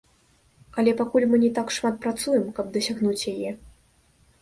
Але пакуль мы не так шмат працуем, каб дасягнуць яе.